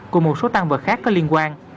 cùng một số tăng vật khác có liên quan